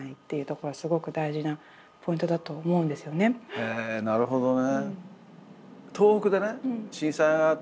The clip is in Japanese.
へえなるほどね。